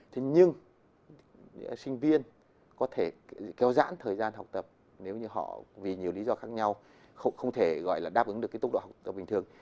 thế nhưng sinh viên có thể kéo dãn thời gian học tập nếu như họ vì nhiều lý do khác nhau không thể gọi là đáp ứng được cái tốc độ học tập bình thường